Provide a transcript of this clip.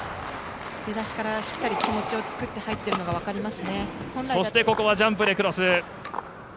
出だしからしっかり気持ちを作って入っているのが分かります。